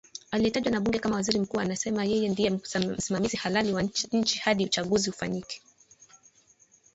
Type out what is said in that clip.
aliyetajwa na bunge kama waziri mkuu na anasema yeye ndiye msimamizi halali wa nchi hadi uchaguzi ufanyike